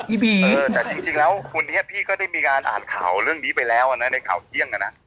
เออแต่จริงแล้ววันนี้พี่ก็ได้มีการอ่านข่าวเรื่องนี้ไปแล้วอ่ะนะในข่าวเที่ยงอ่ะนะ